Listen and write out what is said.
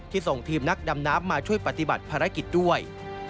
ส่งทีมนักดำน้ำมาช่วยปฏิบัติภารกิจด้วย